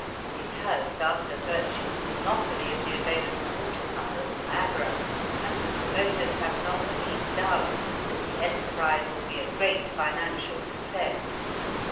It has thus a virtual monopoly of the available water power of Niagara, and the promoters have not the least doubt that the enterprise will be a great financial success.